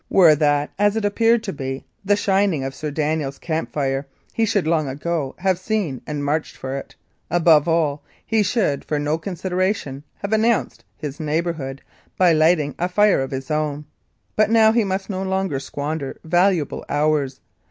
Were that, as it appeared to be, the shining of Sir Daniel's camp fire, he should long ago have seen and marched for it; above all, he should, for no consideration, have announced his neighbourhood by lighting a fire of his own. But now he must no longer squander valuable hours.